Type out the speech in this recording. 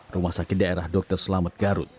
rumah sakit daerah dr selamet garut